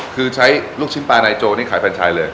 คือใช้ลูกชิ้นปลานายโจนี่ขายแฟนชายเลย